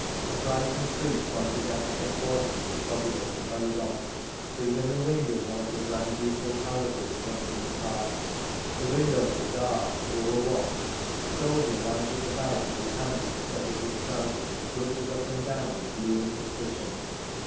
A frightened priest pointed out the headquarters of the Soviet, and hurried on. It was in the wing of one of the Grand Ducal palaces, fronting the Park. The windows were dark, the door locked. A soldier, lounging about with his hands in the top of his trousers, looked us up and down with gloomy suspicion.